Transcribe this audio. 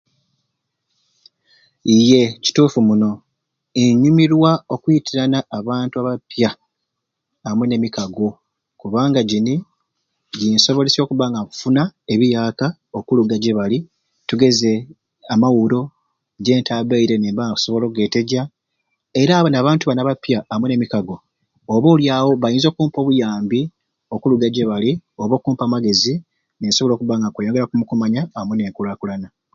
Iye kituufu muno nyumirwa okwitirana abantu abapya amwei n'emikago kubanga gyini gyinsobolesya okuba nga nkufuna ebiyaka okuluga edi gyebali tugeze amawuro gyentabire nemba nga nkusobola ogeteja era abo abantu bani abapya amwei n'emikago oba oli awo bayinza okumpa obuyambi okuluga gyebali oba okumpa amagezi ninsobola okuba nga nkweyongeraku nokumanya amwei n'enkulakulana